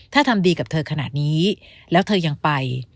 ถ้าทำดีกับเธอขนาดนี้แล้วเธอยังไป